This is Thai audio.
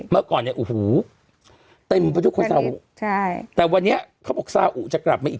เมื่อก่อนเนี่ยโอ้โหเต็มไปทุกคนซาอุใช่แต่วันนี้เขาบอกซาอุจะกลับมาอีก